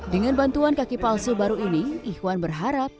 dengan bantuan kaki palsu baru ini ihwan berharap